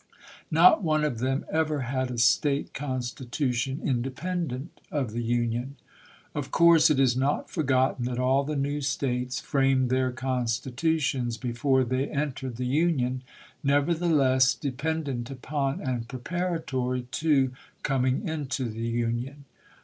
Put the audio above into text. Not one of them ever had a State con stitution independent of the Union. Of course it is not forgotten that all the new States framed their constitu tions before they entered the Union; nevertheless, de pendent upon, and preparatory to, coming into the Union.